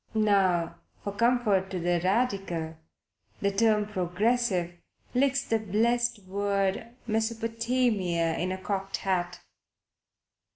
Now for comfort to the Radical the term "Progressive" licks the blessed word Mesopotamia into a cocked hat.